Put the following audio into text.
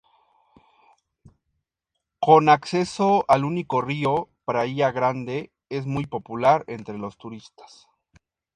Con acceso al único río, Praia Grande es muy popular entre los turistas.